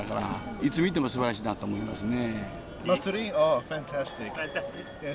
いつ見てもすばらしいなと思いますね。